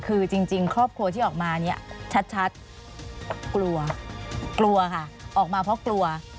คือจริงครอบครัวที่ออกมาเนี่ยชัดกลัวกลัวค่ะออกมาเพราะกลัว